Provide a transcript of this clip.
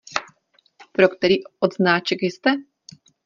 Pro který odznáček jste?